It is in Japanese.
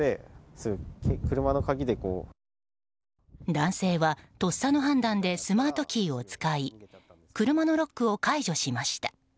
男性は、とっさの判断でスマートキーを使い車のロックを解除しました。